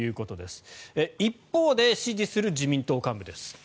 一方で支持する自民党幹部です。